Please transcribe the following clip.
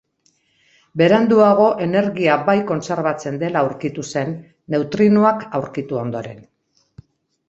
Beranduago energia bai kontserbatzen dela aurkitu zen, neutrinoak aurkitu ondoren.